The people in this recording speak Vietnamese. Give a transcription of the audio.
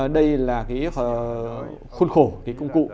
đây là khuôn khổ công cụ